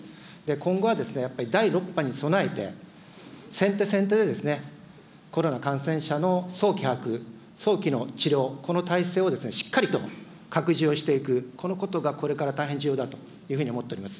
今後はやっぱり第６波に備えて、先手先手でコロナ感染者の早期把握、早期の治療、この体制をしっかりと拡充をしていく、このことがこれから大変重要だというふうに思っております。